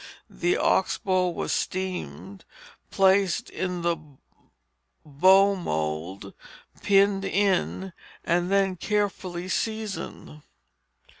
The ox bow was steamed, placed in the bow mould, pinned in, and then carefully seasoned.